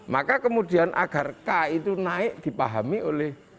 maka kemudian agar k itu naik dipahami oleh